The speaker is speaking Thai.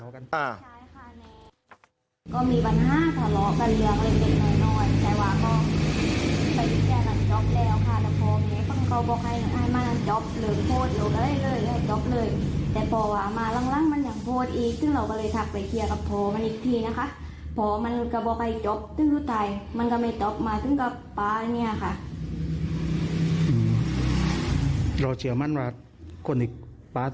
ก็มีปัญหาทะเลาะกันเรียกเลยเด็กน้อยน้อยแต่ว่าก็ไปพูดแก่มันจ๊อบแล้วค่ะ